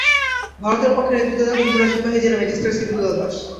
ভারতের পক্ষে নেতৃত্ব দেন ত্রিপুরার সিপাহী জেলা ম্যাজিস্ট্রেট শ্রী দুলাল দাস।